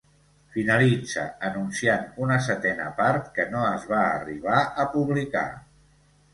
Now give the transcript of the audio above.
Finalitza anunciant una setena part, que no es va arribar a publicar.